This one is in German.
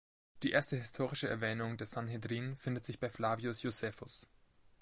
Die erste historische Erwähnung des Sanhedrin findet sich bei Flavius Josephus.